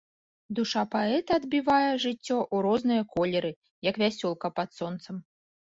Душа паэта адбівае жыццё ў розныя колеры, як вясёлка пад сонцам.